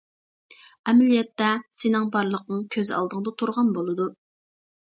ئەمەلىيەتتە، سېنىڭ بارلىقىڭ كۆز ئالدىڭدا تۇرغان بولىدۇ.